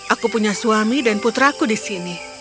aku punya suami dan putraku di sini